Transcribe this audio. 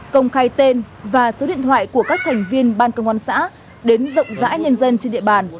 công khai tên và số điện thoại của các thành viên ban công an xã đến rộng rãi nhân dân trên địa bàn